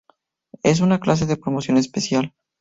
Es una clase de promoción especial.